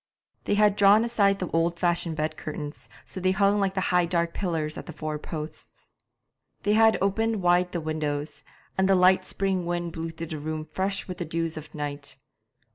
They had drawn aside the old fashioned bed curtains, so that they hung like high dark pillars at the four posts. They had opened wide the windows, and the light spring wind blew through the room fresh with the dews of night.